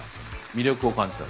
魅力を感じた。